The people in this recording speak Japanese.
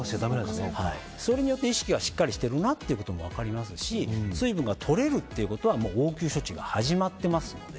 それによって意識がしっかりしてるなってことも分かりますし水分がとれるっていうことは応急処置が始まっていますので。